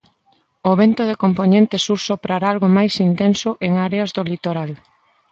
O vento de compoñente sur soprará algo máis intenso en áreas do litoral.